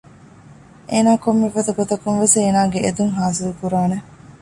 އޭނާ ކޮންމެފަދަ ގޮތަކުންވެސް އޭނާގެ އެދުން ހާސިލްކުރާނެ